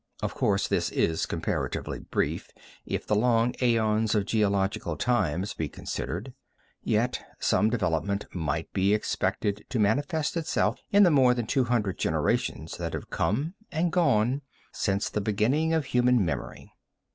Of course this is comparatively brief if the long aeons of geological times be considered, yet some development might be expected to manifest itself in the more than two hundred generations that have come and gone since the beginning of human memory.